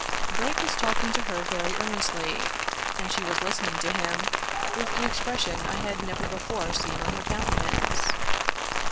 Brake was talking to her very earnestly, and she was listening to him with an expression I had never before seen on her countenance.